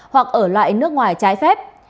hoặc ở lại nước ngoài trái phép